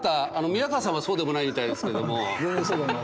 宮河さんはそうでもないみたいですけども。